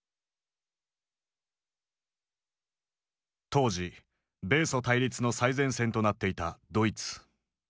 当時米ソ対立の最前線となっていたドイツ。